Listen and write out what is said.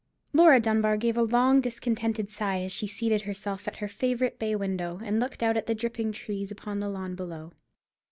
Laura Dunbar gave a long discontented sigh as she seated herself at her favourite bay window, and looked out at the dripping trees upon the lawn below.